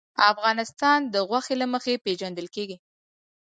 افغانستان د غوښې له مخې پېژندل کېږي.